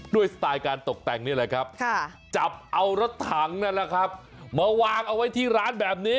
สไตล์การตกแต่งนี่แหละครับจับเอารถถังนั่นแหละครับมาวางเอาไว้ที่ร้านแบบนี้